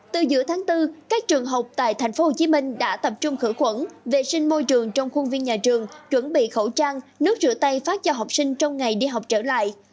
từ giữa tháng bốn các trường học tại tp hcm đã tập trung khử khuẩn vệ sinh môi trường trong khuôn viên nhà trường chuẩn bị khẩu trang nước rửa tay phát cho học sinh trong ngày đi học trở lại